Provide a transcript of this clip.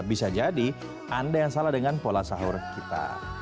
bisa jadi anda yang salah dengan pola sahur kita